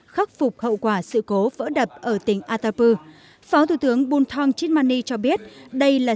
khắc phục hậu quả sự cố vỡ đập ở tỉnh atapu phó thủ tướng bun thong chitmani cho biết đây là